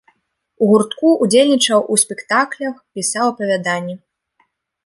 У гуртку ўдзельнічаў у спектаклях, пісаў апавяданні.